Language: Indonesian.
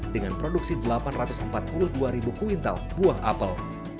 dengan produksi delapan ratus empat puluh dua ribu kuintal buah apel